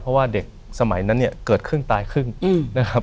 เพราะว่าเด็กสมัยนั้นเนี่ยเกิดครึ่งตายครึ่งนะครับ